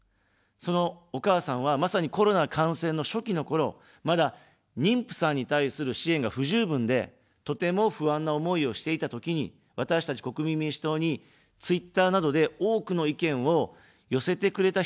そのお母さんは、まさにコロナ感染の初期のころ、まだ妊婦さんに対する支援が不十分で、とても不安な思いをしていたときに、私たち国民民主党にツイッターなどで多くの意見を寄せてくれた人たちでした。